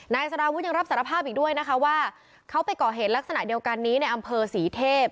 นายสารวุฒิยังรับสารภาพอีกด้วยนะคะว่าเขาไปก่อเหตุลักษณะเดียวกันนี้ในอำเภอศรีเทพ